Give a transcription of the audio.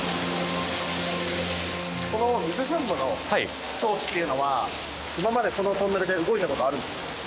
この水噴霧の装置っていうのは今までこのトンネルで動いた事あるんですか？